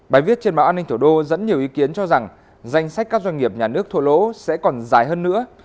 bài viết trên báo an ninh thủ đô dẫn nhiều ý kiến cho rằng danh sách các doanh nghiệp nhà nước thua lỗ sẽ còn dài hơn nữa